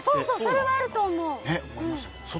それはあると思う！